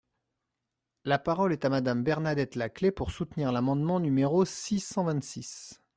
La parole est à Madame Bernadette Laclais, pour soutenir l’amendement numéro six cent vingt-six.